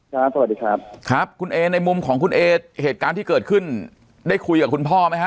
สวัสดีครับครับคุณเอในมุมของคุณเอเหตุการณ์ที่เกิดขึ้นได้คุยกับคุณพ่อไหมฮะ